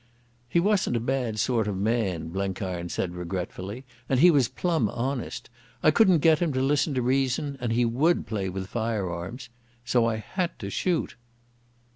"He wasn't a bad sort of man," Blenkiron said regretfully, "and he was plumb honest. I couldn't get him to listen to reason, and he would play with firearms. So I had to shoot."